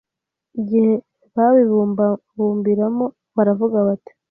Igihe babibumbabumbiramo baravuga bati